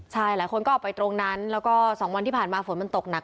ใช่หลายคนก็ออกไปตรงนั้นแล้วก็๒วันที่ผ่านมาฝนมันตกหนัก